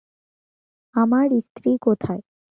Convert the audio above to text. আমার স্ত্রী কোথায়?